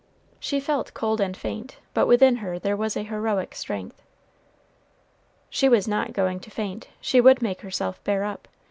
She felt cold and faint; but within her there was a heroic strength. She was not going to faint; she would make herself bear up.